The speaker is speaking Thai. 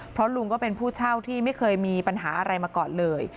เพราะลุงก็เป็นผู้เช่าที่ไม่เคยมีปัญหาอะไรมาก่อนเลย